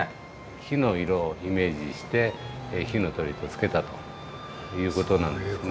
火の色をイメージして「火の鳥」と付けたという事なんですね。